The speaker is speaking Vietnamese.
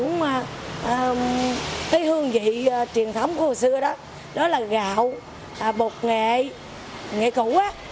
cái hương vị truyền thống của hồi xưa đó đó là gạo bột nghệ nghệ củ